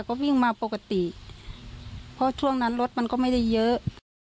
ก็วิ่งมาปกติเพราะช่วงนั้นรถมันก็ไม่ได้เยอะ